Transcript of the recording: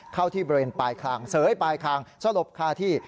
เข้าที่บริเวณปลายคลางเสยปลายคางสลบคาที่